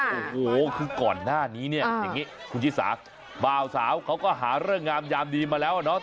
โอ้โหคือก่อนหน้านี้เนี่ยอย่างนี้คุณชิสาบ่าวสาวเขาก็หาเรื่องงามยามดีมาแล้วเนาะ